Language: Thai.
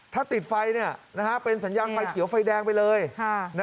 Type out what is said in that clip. ถ้าติดไฟเนี่ยนะฮะเป็นสัญญาณไฟเขียวไฟแดงไปเลยฮ่า